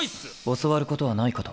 教わることはないかと。